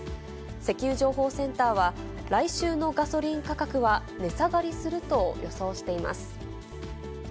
石油情報センターは、来週のガソリン価格は値下がりすると予想しています。